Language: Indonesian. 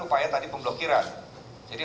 upaya tadi pemblokiran jadi